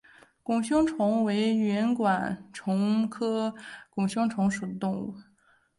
拱胸虫为圆管虫科拱胸虫属的动物。